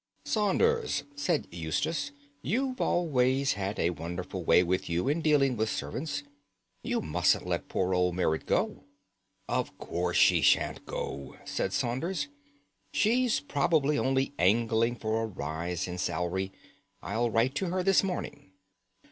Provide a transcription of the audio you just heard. "Saunders," said Eustace, "you've always had a wonderful way with you in dealing with servants. You mustn't let poor old Merrit go." "Of course she shan't go," said Saunders. "She's probably only angling for a rise in salary. I'll write to her this morning."